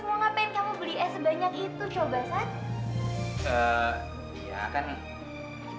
ini kan mahal semua ngapain kamu beli eh sebanyak itu coba sat